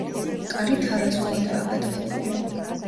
კარი თარაზულადაა გადახურული.